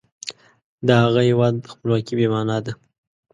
د هغه هیواد خپلواکي بې معنا ده.